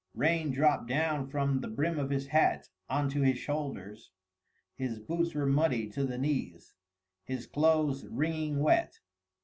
Rain dropped down from the brim of his hat on to his shoulders: his boots were muddy to the knees, his clothes wringing wet.